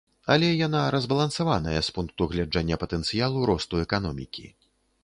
Але яна разбалансаваная з пункту гледжання патэнцыялу росту эканомікі.